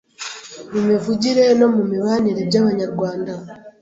mu mivugire no mu mibanire by’Abanyarwanda.